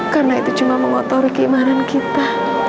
karena itu cuma mengotori keimanan kita